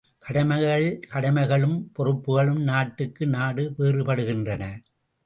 கடமைகள் கடமைகளும் பொறுப்புகளும் நாட்டுக்கு நாடு வேறு படுகின்றன.